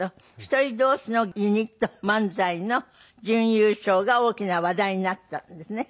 １人同士のユニット漫才の準優勝が大きな話題になったんですね。